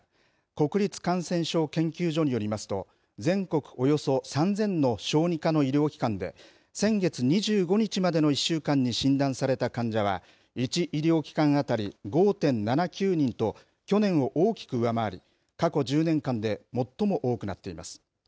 国立感染症研究所によりますと、全国およそ３０００の小児科の医療機関で先月２５日までの１週間に診断された患者は、１医療機関当たり５．７９人と、去年を大きく上回り、過去１０年間で最も多くなっています。